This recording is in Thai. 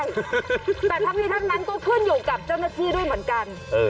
แต่ทั้งนี้ทั้งนั้นก็ขึ้นอยู่กับเจ้าหน้าที่ด้วยเหมือนกัน